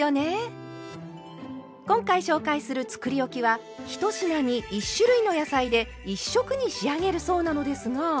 今回紹介するつくりおきは１品に１種類の野菜で１色に仕上げるそうなのですが。